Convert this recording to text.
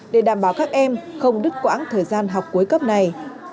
để đảm bảo các em không đứt quãng thời gian học cuối cấp này